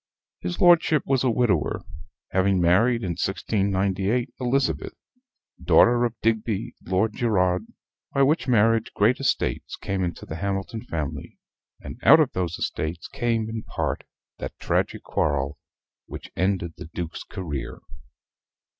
His lordship was a widower, having married, in 1698, Elizabeth, daughter of Digby Lord Gerard, by which marriage great estates came into the Hamilton family; and out of these estates came, in part, that tragic quarrel which ended the Duke's career.